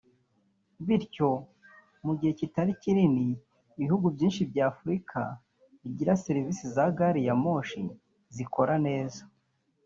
bityo mu gihe kitari kinini ibihugu byinshi bya Afurika bigira serivisi za gari ya moshi zikora neza